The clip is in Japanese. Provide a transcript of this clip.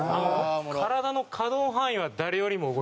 体の可動範囲は誰よりも動いてた。